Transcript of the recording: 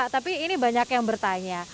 tapi ini banyak yang bertanya